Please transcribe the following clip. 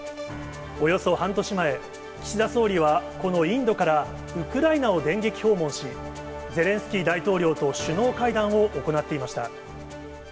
およそ半年前、岸田総理はこのインドからウクライナを電撃訪問し、ゼレンスキー大統領と首脳会談を行っていました。